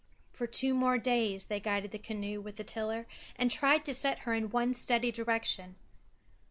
For two more days they guided the canoe with the tiller and tried to set her in one steady direction.